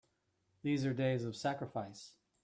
These are days of sacrifice!